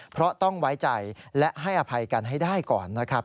เพราะต้องไว้ใจและให้อภัยกันให้ได้ก่อนนะครับ